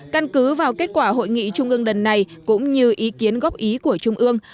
căn cứ vào kết quả hội nghị trung ương lần này cũng như ý kiến góp ý của trung ương